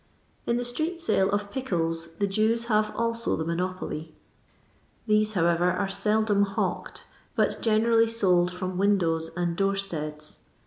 In the street sale of pickles the Jews have also the monopoly ; these. however, are mMob hawked, bat gcneraUy told from windows and door steada.